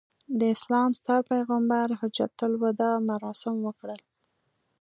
د اسلام ستر پیغمبر حجته الوداع مراسم وکړل.